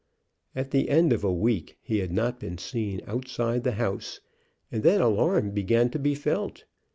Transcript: At the end of a week he had not been seen outside the house, and then alarm began to be felt.